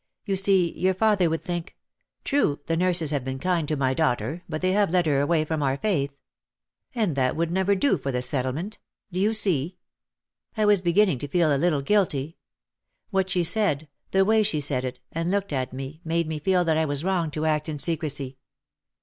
You see your father would think, 'True, the nurses have been kind to my daughter but they have led her away from our faith/ And that would never do for the Settlement. Do you see?" I was beginning to feel a little guilty. What she said, the way she said it and looked at me made me feel that I was wrong to act in secrecy.